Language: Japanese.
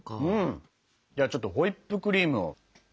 じゃあちょっとホイップクリームを。